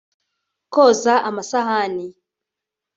koza amasahani